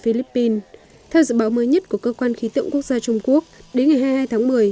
philippines theo dự báo mới nhất của cơ quan khí tượng quốc gia trung quốc đến ngày hai mươi hai tháng một mươi